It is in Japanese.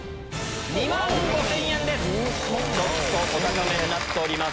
ちょっとお高めになっております。